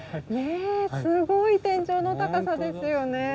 ねえすごい天井の高さですよね。